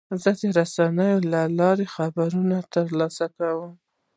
زه د رسنیو له لارې خبرونه ترلاسه کوم.